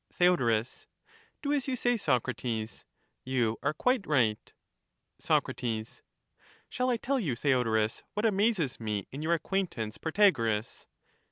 Theod. Do as you say, Socrates ; you are quite right. Sac. Shall I tell you, Theodorus, what amazes me in your acquaintance Protagoras.